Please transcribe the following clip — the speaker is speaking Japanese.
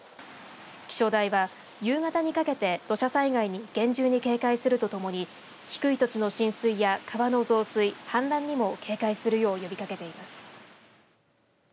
気象台は夕方にかけて土砂災害に厳重に警戒するとともに低い土地の浸水や川の増水、氾濫にも警戒するよう呼びかけています。